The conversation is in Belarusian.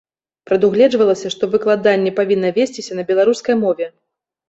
Прадугледжвалася, што выкладанне павінна весціся на беларускай мове.